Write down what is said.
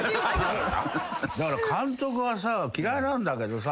だから監督嫌いなんだけどさ。